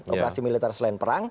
operasi militer selain perang